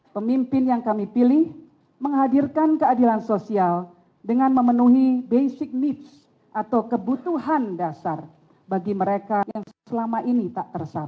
pemimpin yang kami pilih menghadirkan keadilan sosial dengan memenuhi basic needs atau kebutuhan dasar bagi mereka yang selama ini tak tersatu